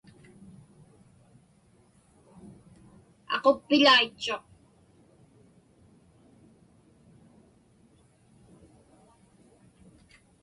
Aquppiḷaitchuq.